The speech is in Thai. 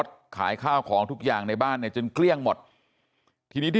ใช่ค่ะก็แค่เดือนเดียวเอง